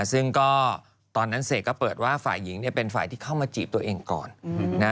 ซึ่งก็ตอนนั้นเสกก็เปิดว่าฝ่ายหญิงเป็นฝ่ายที่เข้ามาจีบตัวเองก่อนนะ